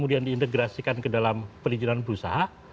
dan diintegrasikan ke dalam perizinan berusaha